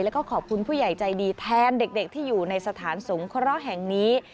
แล้วก็ขอบคุณผู้ใหญ่ใจดีแทนเด็กที่อยู่ในสถานสงเคราะห์แห่งนี้